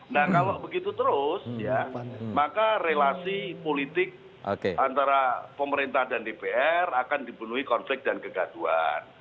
nah kalau begitu terus ya maka relasi politik antara pemerintah dan dpr akan dibunuhi konflik dan kegaduan